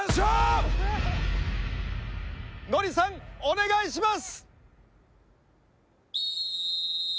ノリさんお願いします！